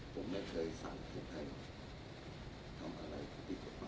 ผมไม่เคยสั่งคิดให้ทำอะไรที่ผิดกฎหมาย